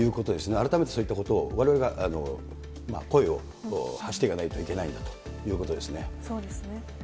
改めてそういったことをわれわれが声を発していかないといけないそうですね。